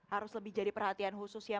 harus lebih jadi perhatian khusus ya